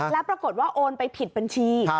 แล้วปรากฏว่าโอนไปผิดบัญชี